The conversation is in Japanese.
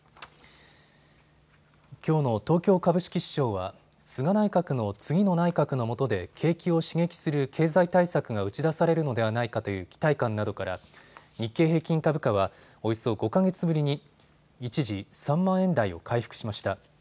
きょうの東京株式市場は菅内閣の次の内閣のもとで景気を刺激する経済対策が打ち出されるのではないかという期待感などから日経平均株価はおよそ５か月ぶりに一時、３万円台を回復しました。